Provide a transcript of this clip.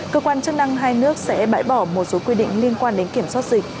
cơ quan chức năng hai nước sẽ bãi bỏ một số quy định liên quan đến kiểm soát dịch